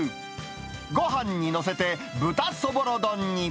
ごはんに載せて豚そぼろ丼に。